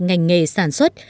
ngành nghề sản xuất